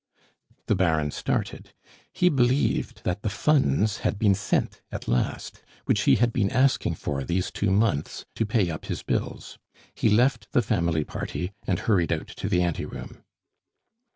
The Baron started; he believed that the funds had been sent at last which he had been asking for these two months, to pay up his bills; he left the family party, and hurried out to the anteroom.